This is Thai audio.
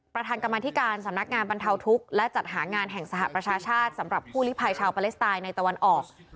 ประธานกรรมธิการสำนักงานบรรเทาทุกข์และจัดหางานแห่งสหประชาชาติสำหรับผู้ลิภัยชาวปาเลสไตน์ในตะวันออก